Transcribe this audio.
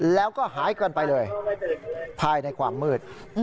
แล้วก็หายเกินไปเลยภายในความมืด